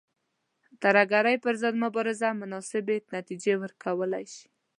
ترهګرۍ پر ضد مبارزه مناسبې نتیجې ورکولای شي.